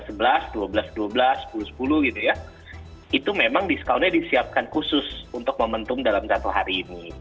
itu memang diskaunnya disiapkan khusus untuk momentum dalam satu hari ini